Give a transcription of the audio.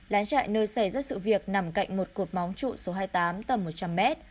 lán chạy nơi xảy ra sự việc nằm cạnh một cột móng trụ số hai mươi tám tầm một trăm linh m